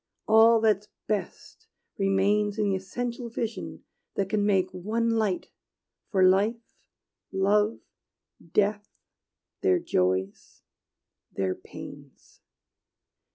All that's best remains In the essential vision that can make One light for life, love, death, their joys, their pains.